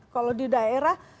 kalau di daerah